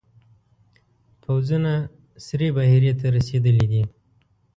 پوځونه سرې بحیرې ته رسېدلي دي.